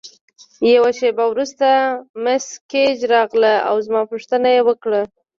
یوه شیبه وروسته مس ګیج راغله او زما پوښتنه یې وکړه.